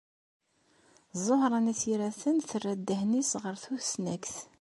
Ẓuhṛa n At Yiraten terra ddehn-nnes ɣer tusnakt.